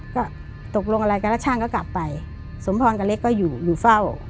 ก็ตกลงอะไรกันแล้วช่างก็กลับไปสมพรกับเล็กก็อยู่อยู่เฝ้า